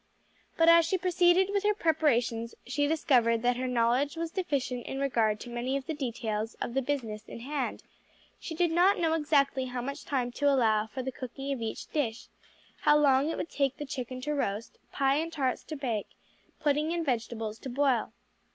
But as she proceeded with her preparations she discovered that her knowledge was deficient in regard to many of the details of the business in hand; she did not know exactly how much time to allow for the cooking of each dish how long it would take the chicken to roast, pie and tarts to bake, pudding and vegetables to boil.